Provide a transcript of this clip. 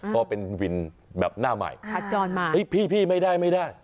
เพราะเป็นวินแบบหน้าใหม่พัดจอดมาพี่ไม่ได้